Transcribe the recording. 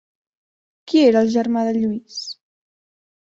Qui era el germà de Lluís?